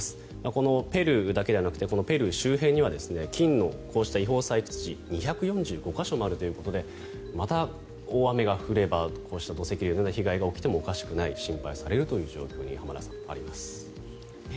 このペルーだけではなくてペルー周辺には金のこうした違法採掘地が２４５か所もあるということでまた大雨が降ればこうした土石流のような被害が起きてもおかしくない、心配されるという状況にあります。